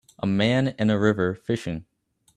A man in a river fishing